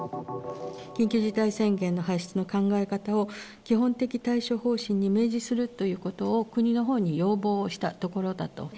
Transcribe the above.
緊急事態宣言の発出の考え方を、基本的対処方針に明示するということを国のほうに要望したところだと。